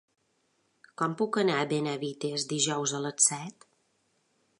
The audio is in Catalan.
Com puc anar a Benavites dijous a les set?